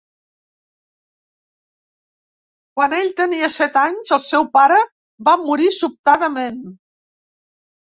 Quan ell tenia set anys, el seu pare va morir sobtadament.